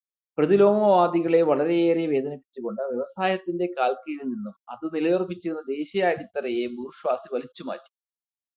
പ്രതിലോമവാദികളെ വളരെയേറെ വേദനിപ്പിച്ചുകൊണ്ടു് വ്യവസായത്തിന്റെ കാൽക്കീഴിൽ നിന്നു് അതു നിലയുറപ്പിച്ചിരുന്ന ദേശീയാടിത്തറയെ ബൂർഷ്വാസി വലിച്ചുമാറ്റി.